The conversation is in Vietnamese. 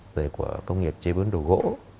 rồi của công nghiệp chế bướm đồ gỗ